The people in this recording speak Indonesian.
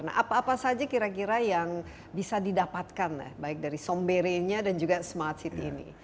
nah apa apa saja kira kira yang bisa didapatkan baik dari sombere nya dan juga smart city ini